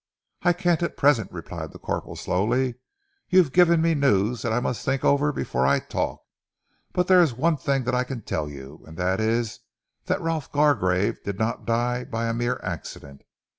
"I can't at present," replied the corporal slowly. "You've given me news that I must think over before I talk. But there is one thing that I can tell you, and that is that Rolf Gargrave did not die by a mere accident.